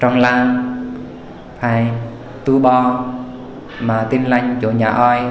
trong làng hay tu bò mà tin lãnh chỗ nhà oi